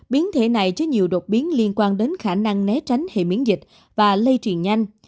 biến thể này chứa nhiều đột biến liên quan đến khả năng né tránh hệ miễn dịch và lây truyền nhanh